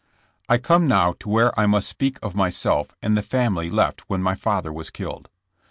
COME now to where I must speak of myself and the family left when my father was killed.